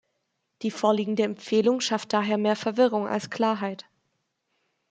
Die vorliegende Empfehlung schafft daher mehr Verwirrung als Klarheit.